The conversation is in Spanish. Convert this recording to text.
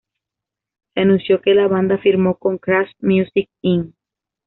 Se anunció que la banda firmó con Crash Music Inc.